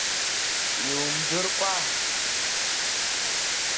Иумдыркәа!